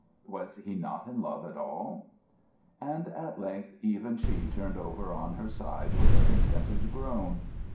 Was he not in love at all? And at length even she turned over on her side with a contented groan.